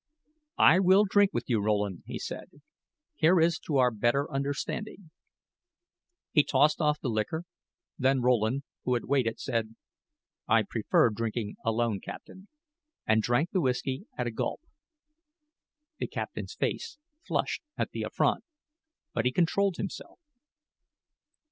"I will drink with you, Rowland," he said; "here is to our better understanding." He tossed off the liquor; then Rowland, who had waited, said: "I prefer drinking alone, captain," and drank the whisky at a gulp. The captain's face flushed at the affront, but he controlled himself.